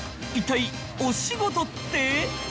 一体お仕事って？